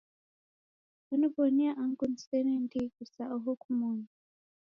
Kwaniw'onia angu nisene ndighi sa oho kumoni.